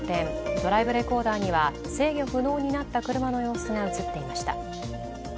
ドライブレコーダーには制御不能になった車の様子が映っていました。